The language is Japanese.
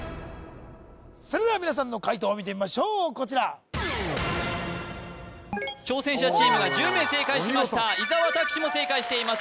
それでは皆さんの解答見てみましょうこちら挑戦者チームは１０名正解しました伊沢拓司も正解しています